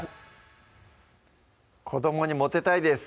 子どもにモテたいです